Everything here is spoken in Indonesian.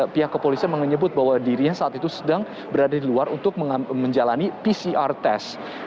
pihak kepolisian menyebut bahwa dirinya saat itu sedang berada di luar untuk menjalani pcr test